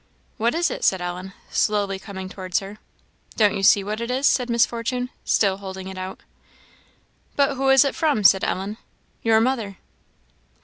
"What is it?" said Ellen, slowly coming towards her. "Don't you see what it is?" said Miss Fortune, still holding it out. "But who is it from?" said Ellen. "Your mother."